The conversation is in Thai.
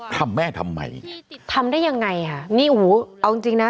ทำแม่ทำไมทำได้ยังไงค่ะนี่โอ้โหเอาจริงจริงนะ